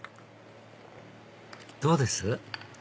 どうです？